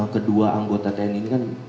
kedua anggota tni ini kan